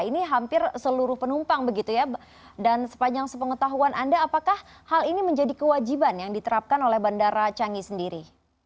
ini hampir seluruh penumpang begitu ya dan sepanjang sepengetahuan anda apakah hal ini menjadi kewajiban yang diterapkan oleh bandara canggih sendiri